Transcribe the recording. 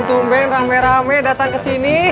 tumben rame rame datang kesini